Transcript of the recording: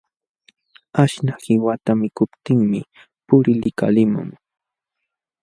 Aśhnaq qiwata mikuptinmi puqri likalimun.